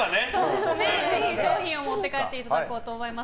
ぜひ賞品を持って帰っていただこうと思います。